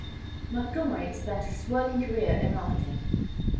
Montgomery spent his working career in marketing.